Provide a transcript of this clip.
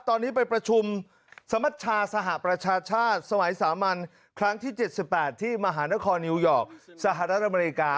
ตอนนี้ไปประชุมสมัชชาสหประชาชาติสมัยสามัญครั้งที่๗๘ที่มหานครนิวยอร์กสหรัฐอเมริกา